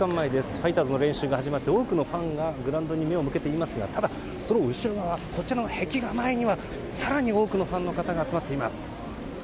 ファイターズの練習が始まって多くのファンがグラウンドに目を向けていますがただ、その後ろ側こちらの壁画前には更に多くのファンの方が集まっています。